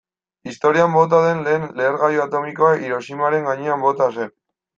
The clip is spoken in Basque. Historian bota den lehen lehergailu atomikoa Hiroshimaren gainean bota zen.